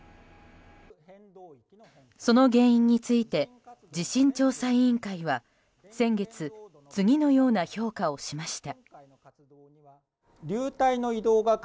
その原因について地震調査委員会は先月、次のような評価をしました。